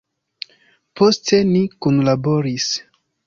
Poste ni kunlaboris.